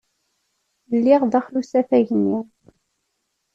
Lliɣ daxel usafag-nni.